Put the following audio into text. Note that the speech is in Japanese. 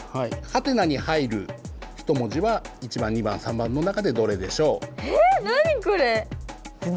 「？」に入る１文字は１番２番３番の中でどれでしょう？